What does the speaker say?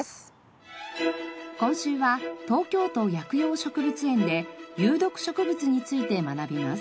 今週は東京都薬用植物園で有毒植物について学びます。